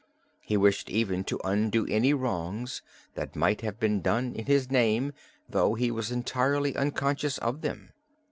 He wished even to undo any wrongs that might have been done in his name though he was entirely unconscious of them.